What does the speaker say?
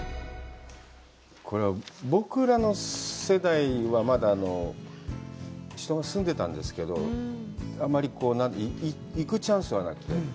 これは僕らの世代はまだ人が住んでたんですけど、あんまり行くチャンスはなくて。